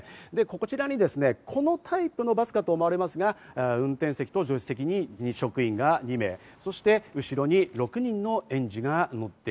こちらにこのタイプのバスかと思われますが、運転席と助手席に職員が２名、そして後ろに６人の園児が乗って